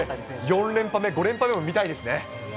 ４連覇目、５連覇目も見たいですね。